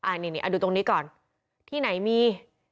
อ่ะดูตรงนี้ก่อนที่ไหนมี